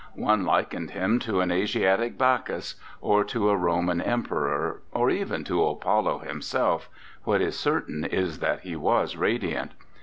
One likened him to an Asiatic Bacchus; or to a Roman Em peror, or even to Apollo himself what is certain is that he was radiant.